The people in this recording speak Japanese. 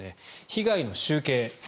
被害の集計。